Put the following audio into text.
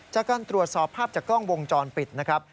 จากการตรวจสอบภาพจากกล้องวงจรปิดนะครับ